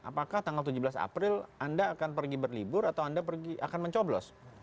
apakah tanggal tujuh belas april anda akan pergi berlibur atau anda akan mencoblos